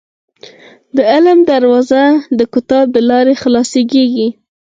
• د علم دروازه، د کتاب له لارې خلاصېږي.